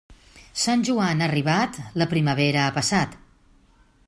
Sant Joan arribat, la primavera ha passat.